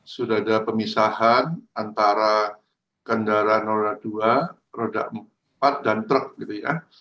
sudah ada pemisahan antara kendaraan roda dua roda empat dan truk gitu ya